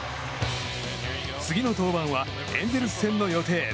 次の登板はエンゼルス戦の予定。